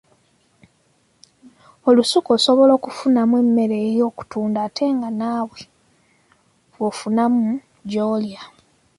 Olusuku osobola okufunamu emmere ey’okutunda ate nga naawe bw’ofunamu gy’olya.